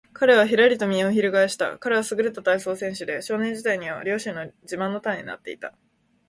彼はひらりと身をひるがえした。彼はすぐれた体操選手で、少年時代には両親の自慢の種になっていた。